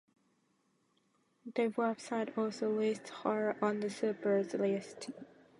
The website also lists her on "the Supers" list.